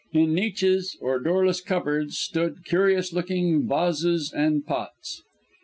In niches, or doorless cup boards; stood curious looking vases and pots.